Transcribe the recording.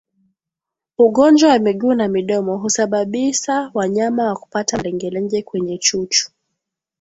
Ugonjwa wa miguu na midomo husababisa wanyama kupata malengelenge kwenye chuchu